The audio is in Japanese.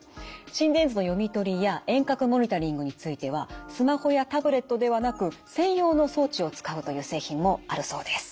心電図の読み取りや遠隔モニタリングについてはスマホやタブレットではなく専用の装置を使うという製品もあるそうです。